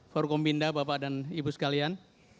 forkombinda bapak dan ibu sekalian